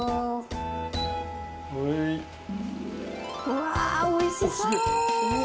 うわ美味しそう！